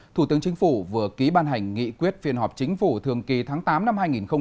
thủ tướng chính phủ vừa ký ban hành nghị quyết phiên họp chính phủ thường kỳ tháng tám năm hai nghìn hai mươi